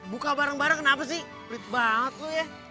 buka bareng bareng kenapa sih pelit banget tuh ya